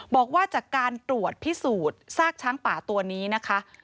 บอกว่าจากการตรวจพิสูจน์ซากช้างป่าตัวนี้นะคะ